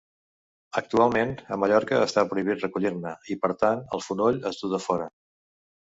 Actualment, a Mallorca està prohibit recollir-ne, i per tant, el fonoll es du de fora.